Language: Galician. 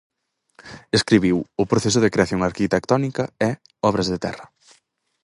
Escribiu "O proceso de creación arquitectónica" e "Obras de terra".